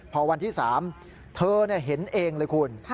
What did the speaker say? พอวันที่๓เธอเห็นเองเลยคุณ